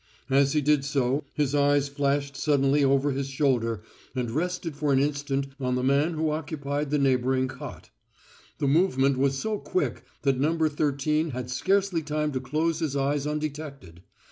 As he did so his eyes flashed suddenly over his shoulder and rested for an instant on the man who occupied the neighboring cot. The movement was so quick that No. Thirteen had scarcely time to close his eyes undetected.